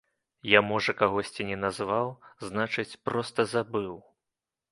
Я, можа, кагосьці не назваў, значыць, проста забыў.